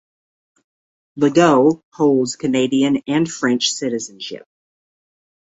Legault holds Canadian and French citizenship.